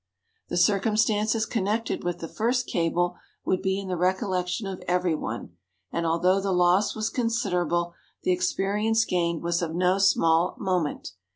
The circumstances connected with the first cable would be in the recollection of every one, and, although the loss was considerable, the experience gained was of no small moment.